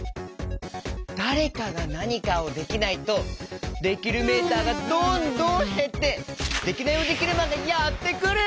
だれかがなにかをできないとできるメーターがどんどんへってデキナイヲデキルマンがやってくる！